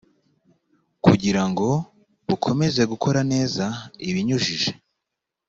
kugira ngo bukomeze gukora neza ibinyujije